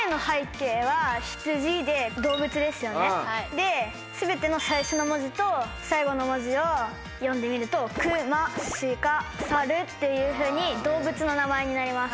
で全ての最初の文字と最後の文字を読んでみるとくましかサルっていうふうに動物の名前になります。